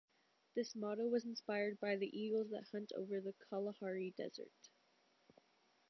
This motto was inspired by the eagles that hunt over the Kalahari Desert.